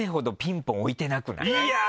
いや！